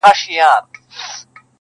ولي مي هره شېبه هر ساعت پر اور کړوې.